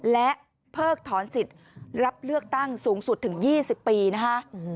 และเพิกถอนสิทธิ์รับเลือกตั้งสูงสุดถึง๒๐ปีนะคะ